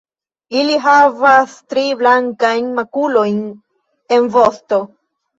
Ili havas tri blankajn makulojn en vosto.